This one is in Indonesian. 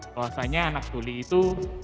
bahasanya anak guli itu